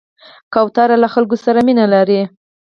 کوتره له خلکو سره مینه لري.